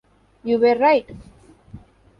You were right!